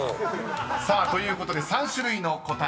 ［さあということで３種類の答え